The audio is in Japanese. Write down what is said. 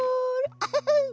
アハハ！